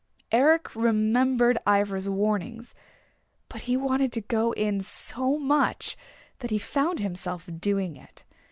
Eric remembered Ivra's warnings, but he wanted to go in so much that he found himself doing it.